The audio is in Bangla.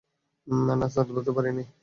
না স্যার, ধরতে পারিনি।